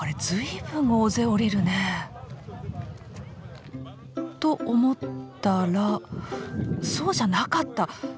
随分大勢降りるね。と思ったらそうじゃなかった。